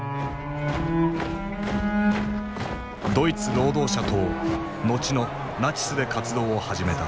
ドイツ労働者党後のナチスで活動を始めた。